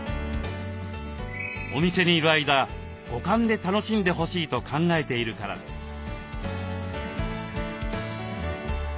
お店にいる間五感で楽しんでほしいと考えているからです。